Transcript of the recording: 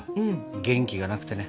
元気がなくてね。